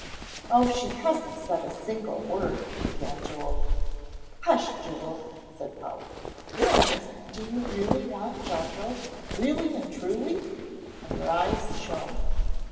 "Oh, she hasn't said a single word," began Joel. "Hush, Joel," said Polly. "Candace, do you really want Jocko; really and truly?" and her eyes shone.